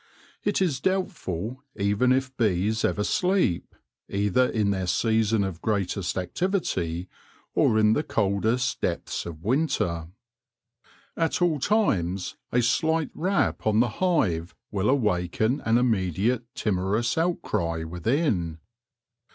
It is doubtful even if bees ever sleep, either in their season of greatest activity or in the coldest depths of winter. At all EARLY WORK IN THE BEE CITY 61 times a sight rap on the hive will awaken an im mediate tmorous outcry within.